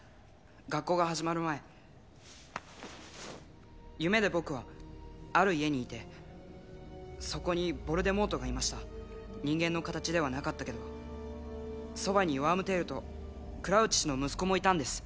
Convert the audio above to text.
学校が始まる前夢で僕はある家にいてそこにヴォルデモートがいました人間の形ではなかったけどそばにワームテールとクラウチ氏の息子もいたんです